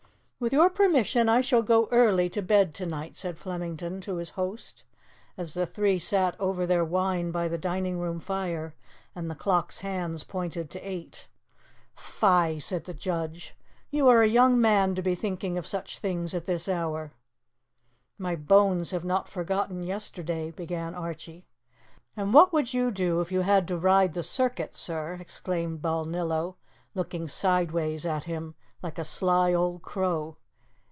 "With your permission I shall go early to bed to night," said Flemington to his host, as the three sat over their wine by the dining room fire and the clock's hands pointed to eight. "Fie!" said the judge; "you are a young man to be thinking of such things at this hour." "My bones have not forgotten yesterday " began Archie. "And what would you do if you had to ride the circuit, sir?" exclaimed Balnillo, looking sideways at him like a sly old crow.